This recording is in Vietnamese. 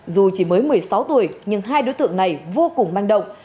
dù chỉ mới một mươi sáu tuổi nhưng hai đối tượng này vô cùng manh động